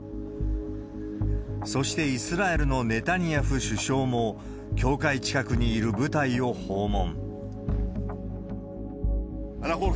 そして、イスラエルのネタニヤフ首相も、境界近くにいる部隊を訪問。